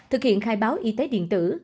hiện khai báo y tế điện tử